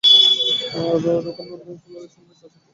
রুকানা নবী করীম সাল্লাল্লাহু আলাইহি ওয়াসাল্লাম-এর চাচার নাম।